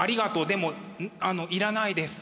でもあのいらないです。